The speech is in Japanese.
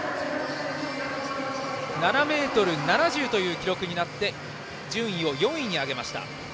城山正太郎は７ｍ７０という記録になって順位を４位に上げました。